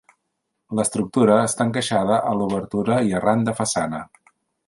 L'estructura està encaixada a l'obertura i arran de façana.